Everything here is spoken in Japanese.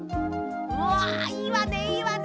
うわいいわねいいわね。